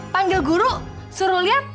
panggil guru suruh liat